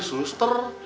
nah aduh suster